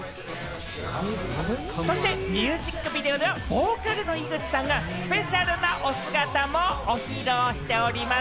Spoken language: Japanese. そしてミュージックビデオでは、ボーカルの井口さんがスペシャルなお姿も、お披露しております。